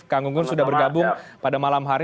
kang gunggun sudah bergabung pada malam hari